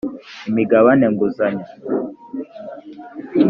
imigabane nguzanyo